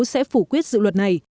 sẽ phủ quyết dự luật này